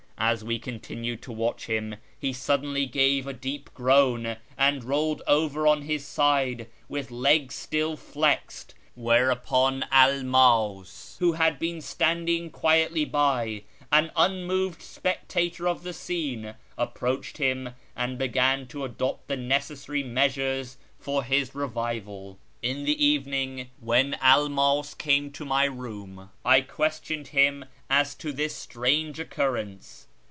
As we continued to watch him, he suddenly gave a deep groan, and rolled over on his side with legs still Hexed ; whereupon Elmas, who had been standing quietly by, an unmoved spectator of the scene, approached him, and began to adopt the necessary measures for his revival. In the evening when Elmas came to my room I questioned him as to this strange occurrence.